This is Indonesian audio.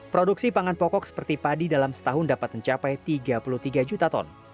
produksi pangan pokok seperti padi dalam setahun dapat mencapai tiga puluh tiga juta ton